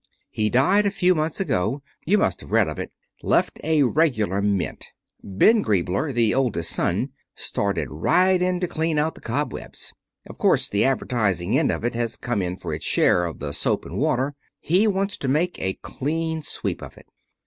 He died a few months ago you must have read of it. Left a regular mint. Ben Griebler, the oldest son, started right in to clean out the cobwebs. Of course the advertising end of it has come in for its share of the soap and water. He wants to make a clean sweep of it.